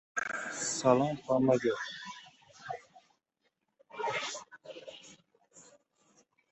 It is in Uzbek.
Yangi sirli Lamborghini'ning suratlari tarqaldi